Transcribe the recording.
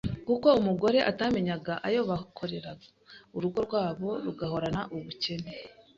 kuko umugore atamenyaga ayo bakorera, urugo rwabo rugahorana ubukene,